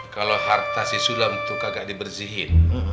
kalo harta si sulam tuh kagak dibersihin